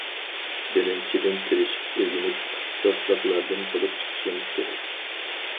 بىرىنچىدىن، تىرىشىپ ئۆگىنىپ، ئىختىساسلىقلاردىن بولۇپ چىقىشىمىز كېرەك.